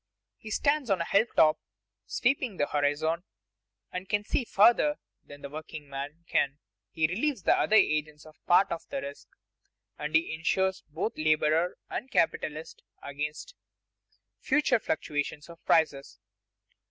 He stands on a hilltop sweeping the horizon, and can see farther than the workingman can. He relieves the other agents of part of the risk, and he insures both laborer and capitalist against future fluctuations of prices.